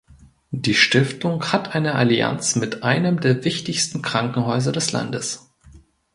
Die Stiftung hat eine Allianz mit einem der wichtigsten Krankenhäuser des Landes.